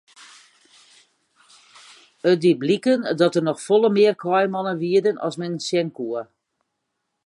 It die bliken dat der noch folle mear kaaimannen wiene as men sjen koe.